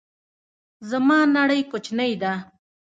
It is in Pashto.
زما نړۍ کوچنۍ ده